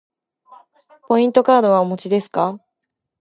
ポイントカードはお持ちですか。